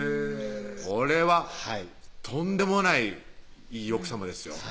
これはとんでもないいい奥さまですよ